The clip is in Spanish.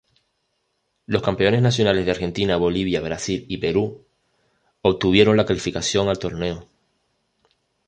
Los campeones nacionales de Argentina, Bolivia, Brasil y Perú obtuvieron la clasificación al torneo.